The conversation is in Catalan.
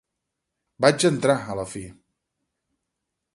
Vaig entrar, a la fi.